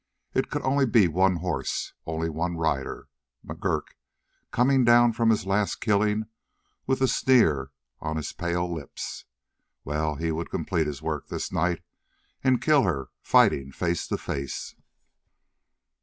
It could only be one horse, only one rider, McGurk coming down from his last killing with the sneer on his pale lips. Well, he would complete his work this night and kill her fighting face to face.